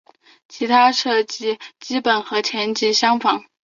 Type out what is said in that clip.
其他设计基本和前级相仿。